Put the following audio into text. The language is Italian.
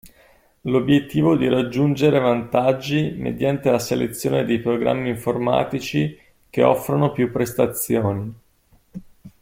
L'obiettivo di raggiungere vantaggi mediante la selezione dei programmi informatici che offrono più prestazioni.